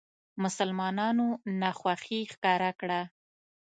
مسلمانانو ناخوښي ښکاره کړه.